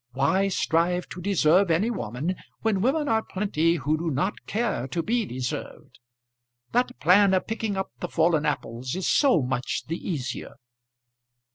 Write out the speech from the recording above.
Why strive to deserve any woman, when women are plenty who do not care to be deserved? That plan of picking up the fallen apples is so much the easier."